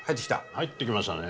入ってきましたね。